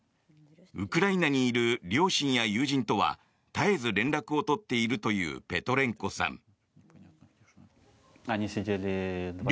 ウクライナにいる両親や友人とは絶えず連絡を取っているというペトレンコさん。